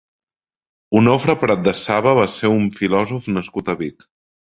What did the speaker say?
Onofre Pratdesaba va ser un filòsof nascut a Vic.